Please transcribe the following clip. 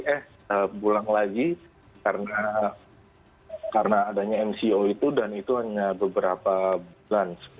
eh pulang lagi karena adanya mco itu dan itu hanya beberapa bulan